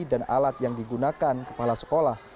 dan alat yang digunakan kepala sekolah